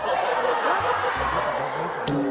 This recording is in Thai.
ท้องปะ